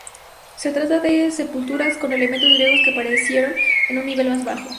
Se trata de sepulturas con elementos griegos que aparecieron en un nivel más bajo.